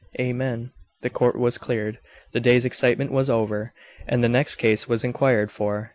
"Amen!" The court was cleared. The day's excitement was over, and the next case was inquired for.